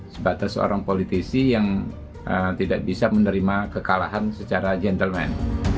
sebatas seorang politisi yang tidak bisa menerima kekalahan secara gentleman